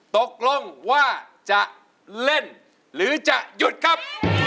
ตกลงว่าจะเล่นหรือจะหยุดครับ